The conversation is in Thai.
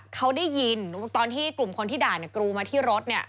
เขาได้ยินตอนที่กลุ่มคนที่ด่าเนี่ยกรูมาที่รถเนี่ย